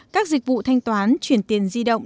các dịch vụ thanh toán chuyển tiền di động